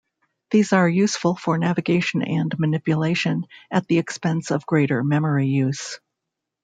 These are useful for navigation and manipulation, at the expense of greater memory use.